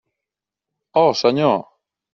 Oh, Senyor!